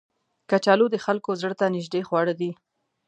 کچالو د خلکو زړه ته نیژدې خواړه دي